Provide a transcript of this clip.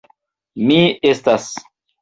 Mi estas.